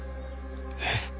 えっ。